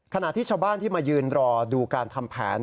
ขณะที่ชาวบ้านที่มายืนรอดูการทำแผน